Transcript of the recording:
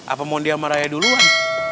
apa mondi sama raya duluan